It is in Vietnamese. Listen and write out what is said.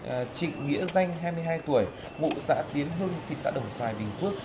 anh trịnh nghĩa danh hai mươi hai tuổi vụ xã tiến hưng thị xã đồng xoài bình phước